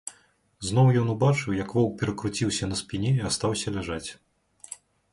Зноў ён убачыў, як воўк перакруціўся на спіне і астаўся ляжаць.